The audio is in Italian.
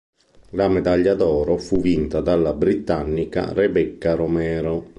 La medaglia d'oro fu vinta dalla britannica Rebecca Romero.